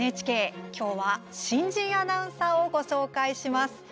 きょうは新人アナウンサーをご紹介します。